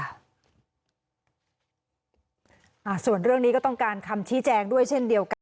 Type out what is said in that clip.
อ่าส่วนเรื่องนี้ก็ต้องการคำชี้แจงด้วยเช่นเดียวกัน